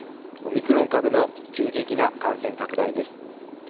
オミクロン株の急激な感染拡大です。